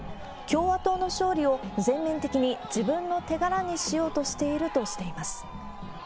共和党の勝利を全面的に自分の手柄にしようとしているとしています。